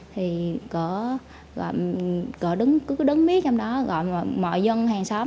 thì cỡ đứng cứ đứng biết trong đó mọi dân hàng xóm nói